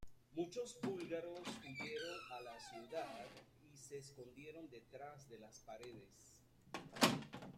Muchos búlgaros huyeron a la ciudad y se escondieron detrás de las paredes.